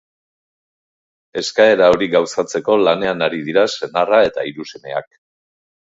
Eskaera hori gauzatzeko lanean ari dira senarra eta hiru semeak.